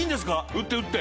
打って打って。